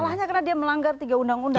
salahnya karena dia melanggar tiga undang undang